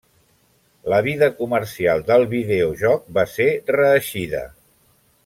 La vida comercial del videojoc va ser reeixida.